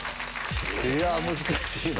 いや難しいな。